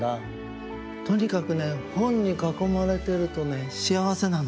とにかくね本にかこまれてるとね幸せなの。